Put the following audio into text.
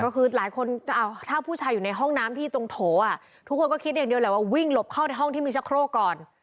ก็คือหลายคนถ้าผู้ชายอยู่ในห้องน้ำที่ตรงโถทุกคนก็คิดอย่างเดียวแหละว่าวิ่งหลบเข้าในห้องที่มีชะโครกก่อน